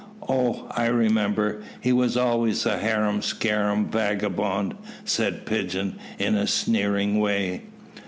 "Oh! I remember he was always a harum scarum vagabond," said Pigeon, in a sneering way.